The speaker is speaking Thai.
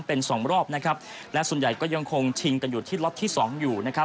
เป็นสองรอบนะครับและส่วนใหญ่ก็ยังคงชิงกันอยู่ที่ล็อตที่สองอยู่นะครับ